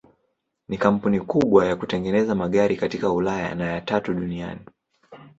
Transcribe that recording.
Ni kampuni kubwa ya kutengeneza magari katika Ulaya na ya tatu duniani.